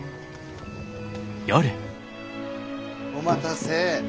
お待たせ。